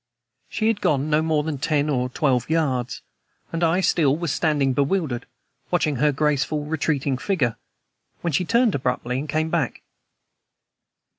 She had gone no more than ten or twelve yards, and I still was standing bewildered, watching her graceful, retreating figure, when she turned abruptly and came back.